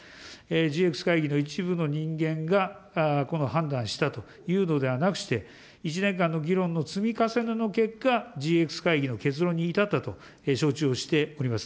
ＧＸ会議の一部の人間が、判断したというのではなくして、１年間の議論の積み重ねの結果、ＧＸ会議の結論に至ったと承知をしております。